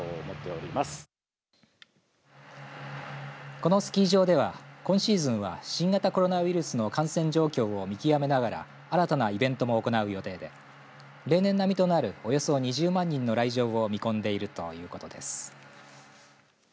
このスキー場では今シーズンは新型コロナウイルスの感染状況を見極めながら新たなイベントも行う予定で例年並みとなるおよそ２０万人の来場を見込んでいるということです。